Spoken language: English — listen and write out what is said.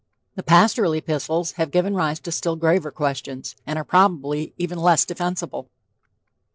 The pastoral epistles...have given rise to still graver questions, and are probably even less defensible."